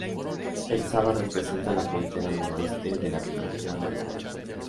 El Sava representa la frontera noroeste de la península balcánica.